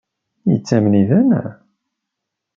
Yettamen-itent?